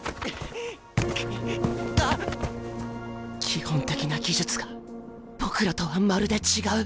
基本的な技術が僕らとはまるで違う。